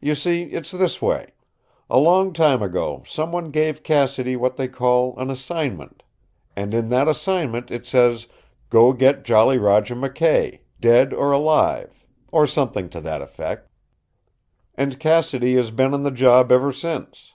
You see, it's this way. A long time ago someone gave Cassidy what they call an assignment, and in that assignment it says 'go get Jolly Roger McKay, dead or alive' or something to that effect. And Cassidy has been on the job ever since.